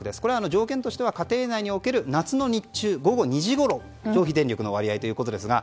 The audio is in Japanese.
条件としては家庭内における夏の日中、午後２時ごろの消費電力の割合です。